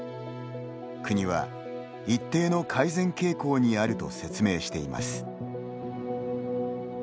国は一定の改善傾向にあると説明しています。